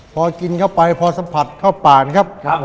พอกินเข้าไปพอสัมผัสข้าวป่านครับผม